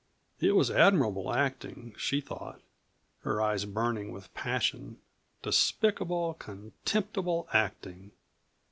It was admirable acting, she thought, her eyes burning with passion despicable, contemptible acting.